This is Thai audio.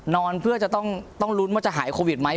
เพื่อจะต้องลุ้นว่าจะหายโควิดไหม